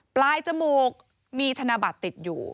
จมูกมีธนบัตรติดอยู่